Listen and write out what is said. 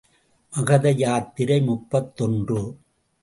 மகத யாத்திரை முப்பத்தொன்று.